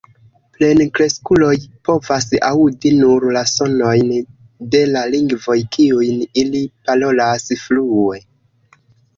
Plenkreskuloj povas aŭdi nur la sonojn de la lingvoj, kiujn ili parolas flue.